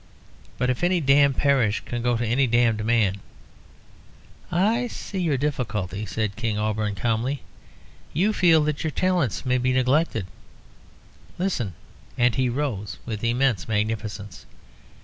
But if any damned parish can go to any damned man " "I see your difficulty," said King Auberon, calmly. "You feel that your talents may be neglected. Listen!" And he rose with immense magnificence.